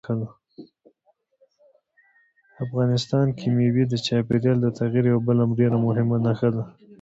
افغانستان کې مېوې د چاپېریال د تغیر یوه بله ډېره مهمه نښه ده.